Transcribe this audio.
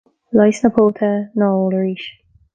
Leigheas na póite ná ól arís.